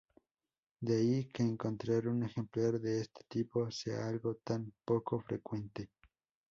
De ahí que encontrar un ejemplar de este tipo sea algo tan poco frecuente.